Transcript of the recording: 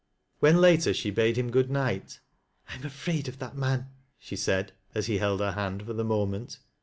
When, later, she bade him good night —" I am afraid of that man," she said, as he held hei hand for the moment.